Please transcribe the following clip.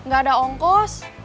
gak ada ongkos